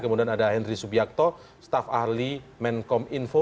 kemudian ada henry subiakto staf ahli menkom info